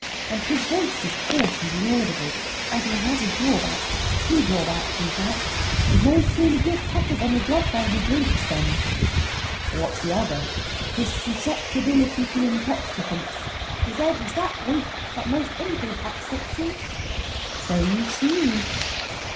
And his voice is hoarse and inaudible. And he has a drawback two drawbacks, in fact. He is no sooner giv' coppers on a job than he drinks them." "What's the other?" "His susceptibility to intoxicants. His 'ed is that weak that 'most anythink upsets him. So you see."